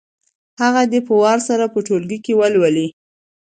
هغه دې په وار سره په ټولګي کې ولولي.